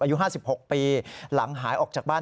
อายุ๕๖ปีหลังหายออกจากบ้าน